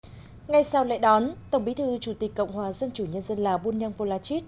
ngay sau lễ đón tổng bí thư chủ tịch cộng hòa dân chủ nhân dân lào buôn nhân vô la chít